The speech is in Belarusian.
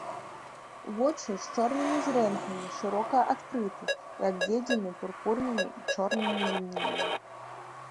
Вочы з чорнымі зрэнкамі шырока адкрыты і абведзены пурпурнымі і чорнымі лініямі.